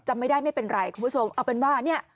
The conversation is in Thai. จำไม่ได้ไม่เป็นไรคุณผู้ชมเอาเป็นว่าเนี่ย